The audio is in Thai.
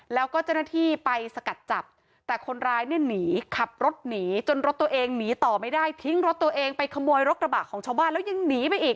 แล้วก็เจ้าหน้าที่ไปสกัดจับแต่คนร้ายเนี่ยหนีขับรถหนีจนรถตัวเองหนีต่อไม่ได้ทิ้งรถตัวเองไปขโมยรถกระบะของชาวบ้านแล้วยังหนีไปอีก